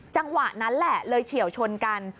จังหวะนั้นแหละเลยเฉียวชนกัน